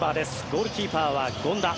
ゴールキーパーは権田。